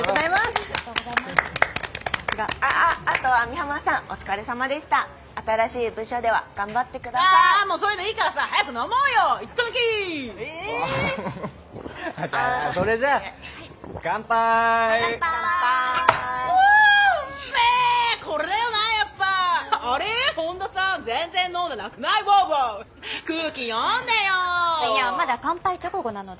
いやまだ乾杯直後なので。